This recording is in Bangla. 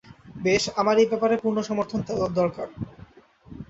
বেশ, আমার এই ব্যাপারে পূর্ণ সমর্থন দরকার।